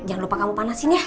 jangan lupa kamu panasin ya